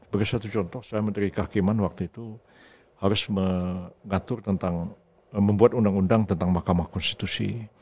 bagi satu contoh saya menteri kehakiman waktu itu harus mengatur tentang membuat undang undang tentang mahkamah konstitusi